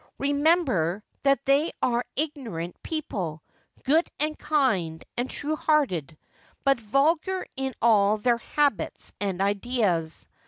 Remember that they are ignorant people, good, and kind, and true hearted, but vulgar in all their habits and ideas.